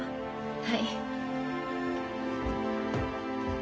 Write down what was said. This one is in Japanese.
はい。